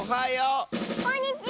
「こんにちは！」